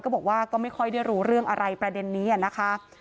บอกว่าก็ไม่ค่อยได้รู้เรื่องอะไรประเด็นนี้นะคะ